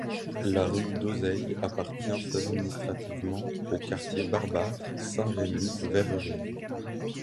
La rue d'Oseille appartient administrativement au Quartier Barbâtre - Saint-Remi - Verrerie.